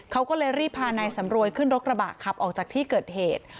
เขาก็เลยรีบพานายสำรวยขึ้นรถกระบะขับออกจากที่เกิดเหตุ